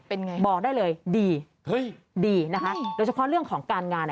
เป็นไงบอกได้เลยดีเฮ้ยดีนะคะโดยเฉพาะเรื่องของการงาน